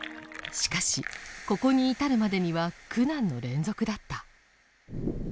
しかしここに至るまでには苦難の連続だった。